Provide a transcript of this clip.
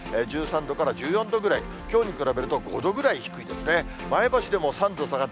１３度から１４度ぐらい、きょうに比べると５度ぐらい低いですね。